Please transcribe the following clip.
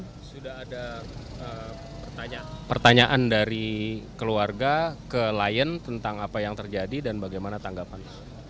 sudah ada pertanyaan dari keluarga ke lion tentang apa yang terjadi dan bagaimana tanggapan